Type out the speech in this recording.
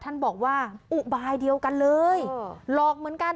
ท่านบอกว่าอุบายเดียวกันเลยหลอกเหมือนกัน